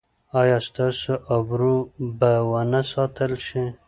ایا ستاسو ابرو به و نه ساتل شي؟